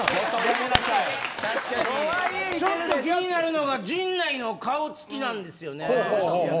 ちょっと気になるのが陣内の顔つきなんです。